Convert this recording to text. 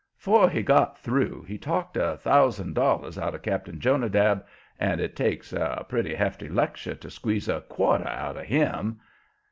'Fore he got through he talked a thousand dollars out of Cap'n Jonadab, and it takes a pretty hefty lecture to squeeze a quarter out of HIM.